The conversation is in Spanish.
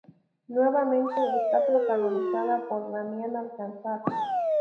Nuevamente está protagonizada por Damián Alcázar.